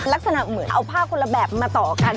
ลักษณะเหมือนเอาผ้าคนละแบบมาต่อกัน